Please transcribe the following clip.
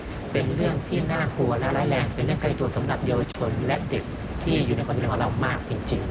เป็นเรื่องที่น่ากลัวและร้ายแรงเป็นเรื่องการตัวสำหรับเดียวชนและเด็ก